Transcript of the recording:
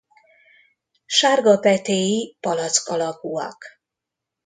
Sárga petéi palack alakúak.